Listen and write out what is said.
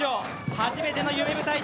初めての夢舞台。